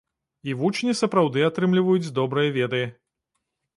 І вучні сапраўды атрымліваюць добрыя веды.